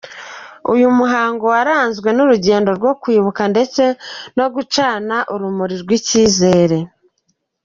Uyu muhango waranzwe n’urugendo rwo kwibuka ndetse no gucana urumuri rw’ikizere.